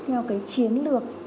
theo cái chiến lược